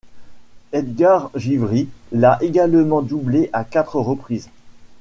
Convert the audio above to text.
Edgar Givry l'a également doublé à quatre reprises.